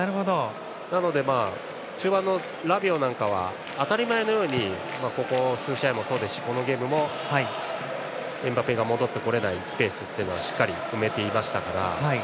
なので、中盤のラビオなんかは当たり前のようにここ数試合もそうですしこのゲームもエムバペが戻ってこれないスペースはしっかり埋めていましたから。